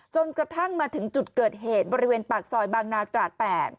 จนกระทั่งมาถึงจุดเกิดเหตุบริเวณปากซอยบางนาตราด๘